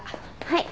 はい。